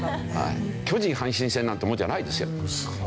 巨人・阪神戦なんてもんじゃないですよ。